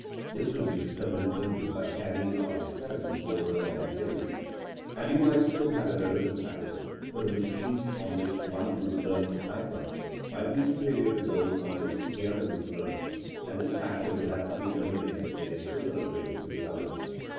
This could be determined only by carrying our experiment over a long period. And we might still have irrelevant factors, for the machines on which one group learnt to type write might be superior to those on which the other group learnt, and this factor would have to be eliminated in a similar way to the others.